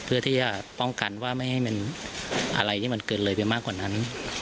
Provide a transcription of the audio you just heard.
เพื่อที่จะป้องกันว่าไม่ให้มันอะไรที่มันเกินเลยไปมากกว่านั้น